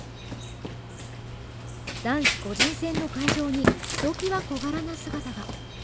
男子個人戦の会場に、ひときわ小柄な姿が。